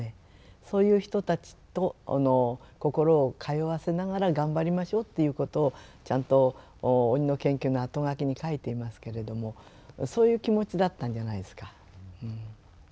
そういう人たちと心を通わせながら頑張りましょうっていうことをちゃんと「鬼の研究」のあとがきに書いていますけれどもそういう気持ちだったんじゃないですか。